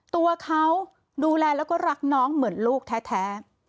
ตัวเขาดูแลแล้วก็รักน้องเหมือนลูกแท้